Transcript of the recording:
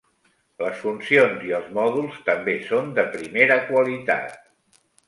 Les funcions i els mòduls també són de primera qualitat.